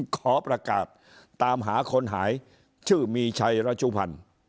ขอประกาศตามหาคนหายชื่อมีชัยรัชุพันธ์